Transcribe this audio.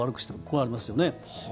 ここにありますよね。